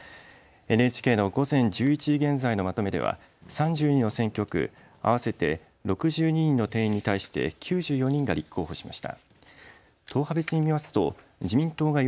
ＮＨＫの午前１１時現在のまとめでは３２の選挙区合わせて６２人の定員に対して９４人が立候補しました。